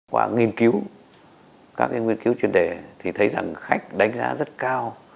qua nghiên cứu các nghiên cứu chuyên đề thì thấy rằng khách đánh giá rất cao